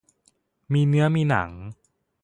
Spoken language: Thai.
มีเนื้อมีหนัง